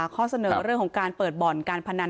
ข้อเสนอเรื่องของการเปิดบ่อนการพนัน